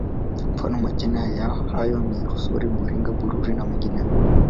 Mfano majina hayo ni Rusori Buringa Bururi na mengineyo